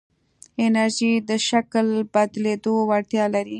انرژی د شکل بدلېدو وړتیا لري.